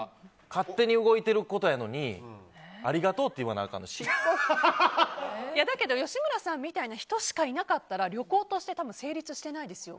勝手に動いてることやのにありがとうって言わなあかんのだけど吉村さんみたいな人しかいなかったら旅行として成立してないですよ。